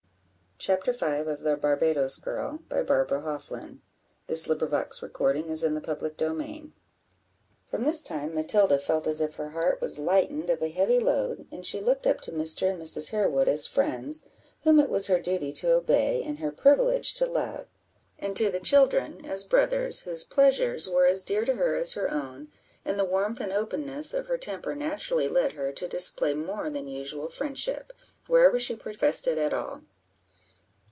mother again sees you." Mr. Harewood left Matilda quieted, but deeply impressed by what he had said. CHAPTER V. From this time, Matilda felt as if her heart was lightened of a heavy load, and she looked up to Mr. and Mrs. Harewood as friends, whom it was her duty to obey and her privilege to love; and to the children, as brothers, whose pleasures were as dear to her as her own; and the warmth and openness of her temper naturally led her to display more than usual friendship, wherever she professed it at all.